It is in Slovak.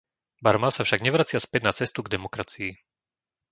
Barma sa však nevracia späť na cestu k demokracii.